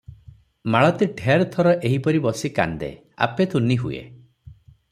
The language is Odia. ମାଳତୀ ଢେର ଥର ଏହିପରି ବସି କାନ୍ଦେ, ଆପେ ତୁନି ହୁଏ ।